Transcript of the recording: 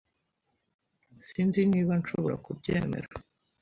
Sinzi niba nshobora kubyemera.